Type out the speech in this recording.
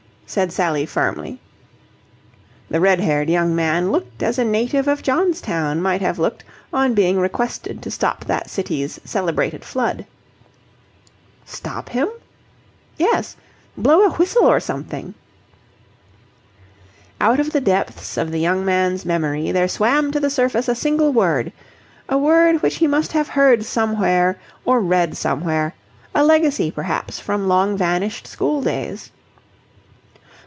said Sally firmly. The red haired young man looked as a native of Johnstown might have looked on being requested to stop that city's celebrated flood. "Stop him?" "Yes. Blow a whistle or something." Out of the depths of the young man's memory there swam to the surface a single word a word which he must have heard somewhere or read somewhere: a legacy, perhaps, from long vanished school days.